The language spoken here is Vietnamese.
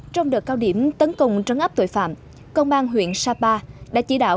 trong đợt cao điểm tấn công trấn áp tội phạm công an huyện sapa đã chỉ đạo